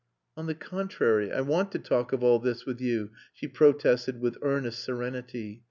"On the contrary, I want to talk of all this with you," she protested with earnest serenity.